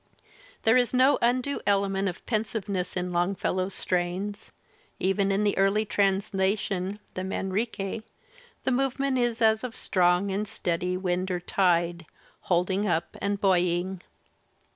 "'There is no undue element of pensi^eness in Longfellow's strains. Even in the early translation, the Manrique, the movement is as of strong and steady wind or tide, holding up and buoying.